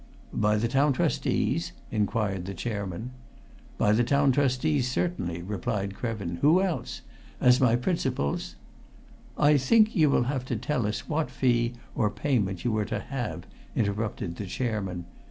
"By the Town Trustees?" inquired the chairman. "By the Town Trustees, certainly," replied Krevin. "Who else? As my principals " "I think you will have to tell us what fee, or payment, you were to have," interrupted the chairman.